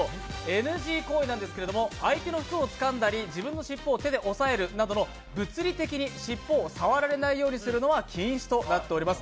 ＮＧ行為なんですけど、相手の服をつかんだり自分のしっぽを手で押さえるなど物理的にしっぽを触られないようにするのは禁止となっています。